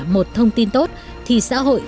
một thông tin tốt thì xã hội